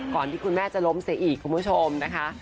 ที่คุณแม่จะล้มเสียอีกคุณผู้ชมนะคะ